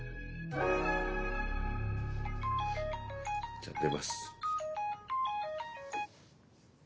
じゃ出ます。